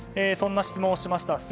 そんな質問をしました。